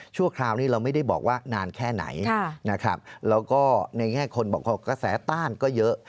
คราวนี้เราไม่ได้บอกว่านานแค่ไหนนะครับแล้วก็ในแง่คนบอกว่ากระแสต้านก็เยอะ